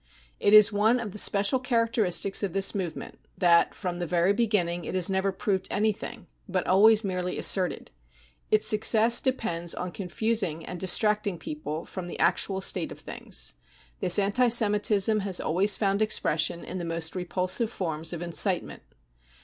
It is one of the special characteristics of this movement that from the very beginning it has never proved anything, but always merely asserted. Its success depends on confusing and distracting people from the actual state of things. This anti Semitism has always found ex pression in the most repulsive forms of incitement.